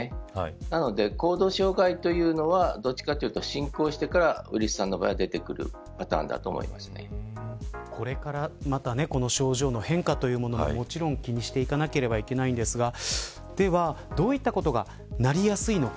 なので、行動障害というのはどっちかというと進行してからウィリスさんの場合はこれからまた症状の変化というものももちろん、気にしていかなければいけないんですがでは、どういったことがなりやすいのか